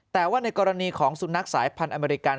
แต่ว่าในกรณีของสุนัขสายพันธ์อเมริกัน